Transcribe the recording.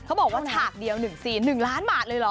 บอกว่าฉากเดียว๑๔๑ล้านบาทเลยเหรอ